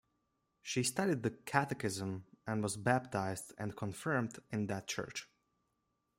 She studied the catechism and was baptized and confirmed in that church.